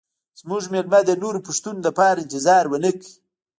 زموږ میلمه د نورو پوښتنو لپاره انتظار ونه کړ